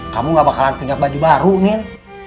kamu gak bakalan punya baju baru nih